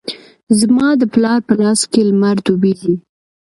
زما د پلار په لاس کې لمر ډوبیږې